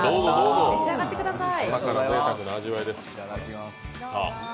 召し上がってください。